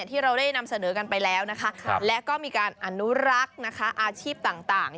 ที่เราได้นำเสนอกันไปแล้วนะคะและก็มีการอนุรักษ์นะคะอาชีพต่าง